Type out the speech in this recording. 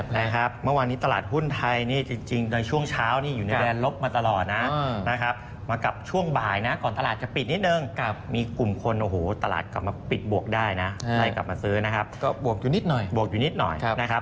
เหมือนมีเสียงตามภิกายอยู่นิดหน่อย